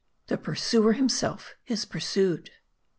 THE PURSUER HIMSELF IS PURSUED.